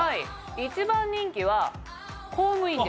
一番人気は公務員です。